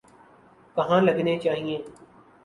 کہاں لگنے چاہئیں۔